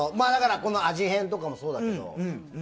この味変とかもそうだけど。